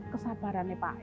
kesabaran pak puger